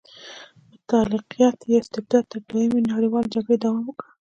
مطلقیت یا استبداد تر دویمې نړیوالې جګړې دوام وکړ.